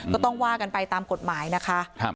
ก็ต้องว่ากันไปตามกฎหมายนะคะ